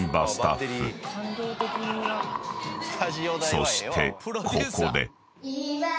［そしてここで］